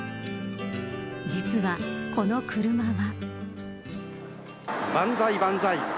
実は、この車は。